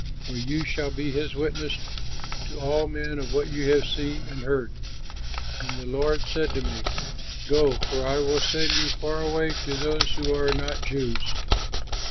For you shall be his witness to all men of what you have seen and heard.' And the Lord said to me, 'Go, for I will send you far away to those who are not Jews.'"